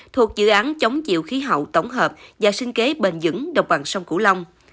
thuộc dự án chống chịu khí hậu tổng hợp và sinh kế bền dững độc bằng sông cửu long